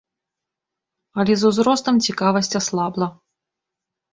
Але з узростам цікавасць аслабла.